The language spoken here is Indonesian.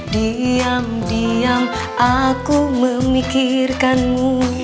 diam diam aku memikirkanmu